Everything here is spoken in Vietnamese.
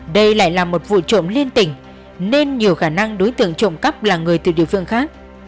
đây lại là một vụ trộm liên tỉnh nên nhiều khả năng đối tượng trộm cắp là người từ địa phương khác